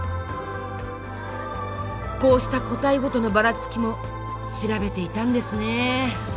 こうした個体ごとのバラツキも調べていたんですね。